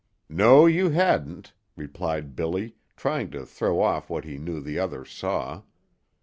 "No, you hadn't," replied Billy, trying to throw off what he knew the other saw.